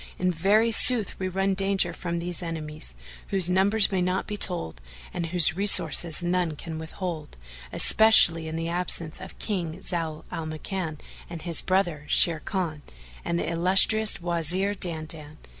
In very sooth, we run danger from these enemies, whose numbers may not be told and whose resources none can withhold, especially in the absence of King Zau al Makan and his brother Sharrkan and the illustrious Wazir Dandan.